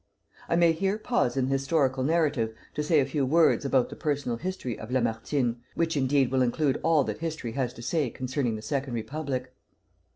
I may here pause in the historical narrative to say a few words about the personal history of Lamartine, which, indeed, will include all that history has to say concerning the Second Republic.